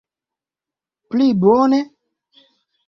Pli bone?